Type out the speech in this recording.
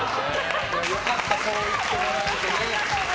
良かったそう言ってもらえて。